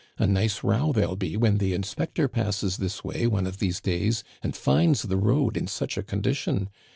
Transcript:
A nice row therell be when the inspector passes this way one of these days and finds the road in such a condition